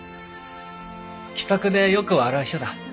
気さくでよく笑う人だ。